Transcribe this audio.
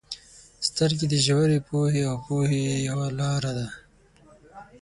• سترګې د ژورې پوهې او پوهې یو لار ده.